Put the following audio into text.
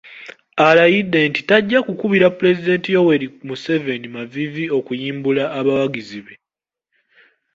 Alayidde nti tajja kukubira Pulezidenti Yoweri Museveni maviivi okuyimbula abawagizi be.